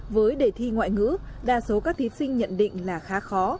với đề thi ngoại ngữ đa số các thí sinh nhận định là khá khó